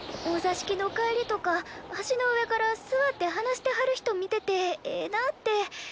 お座敷の帰りとか橋の上から座って話してはる人見ててええなって。